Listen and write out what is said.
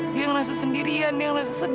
dia ngerasa sendirian dia ngerasa sedih